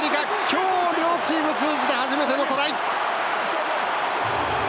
今日、両チーム通じて初めてのトライ！